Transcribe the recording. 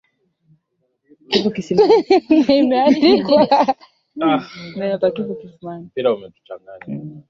mengi walikuwa wameyateka kutoka kwenye misafara ya misaada